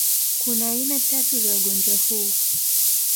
Kuna aina tatu za ugonjwa huu